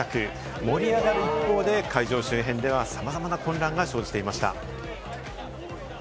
盛り上がる一方で、会場周辺では、さまざまな混乱が生じていました。